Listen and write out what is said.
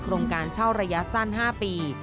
โรงการเช่าระยะสั้น๕ปี